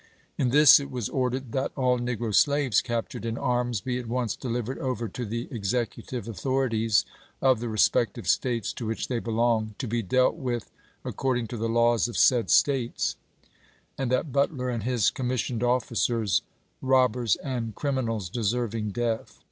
In this it was ordered "that all negro slaves captured in arms be at once delivered over to the executive authori ties of the respective States to which they belong, to be dealt with according to the laws of said States"; and that Butler and his commissioned officers, "robbers and criminals deserving death